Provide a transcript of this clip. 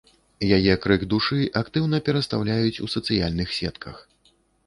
Яе крык душы актыўна перастаўляюць у сацыяльных сетках.